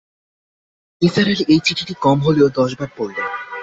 নিসার আলি এই চিঠিটি কম হলেও দশ বার পড়লেন।